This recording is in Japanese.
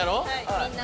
みんな。